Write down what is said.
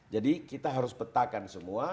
kita harus petakan semua